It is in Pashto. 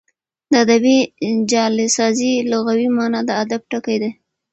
د ادبي جعلسازۍ لغوي مانا د ادب ټګي ده.